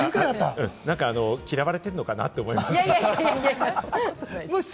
嫌われてるのかな？とは思った。